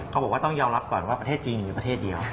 เขาบอกว่าต้องยอมรับก่อนว่าประเทศจีนหรือประเทศเดียว